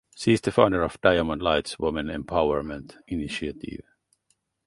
She is the founder of Diamond Lights Women Empowerment Initiative.